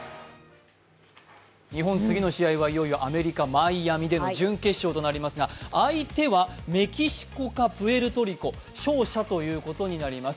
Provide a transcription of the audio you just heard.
日本、次の試合はいよいよアメリカ・マイアミでの準決勝になりますが相手はメキシコかプエルトリコ、勝者ということになります。